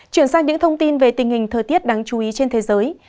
chuyển sang những thông tin về tình hình thời tiết đáng chú ý trên thế giới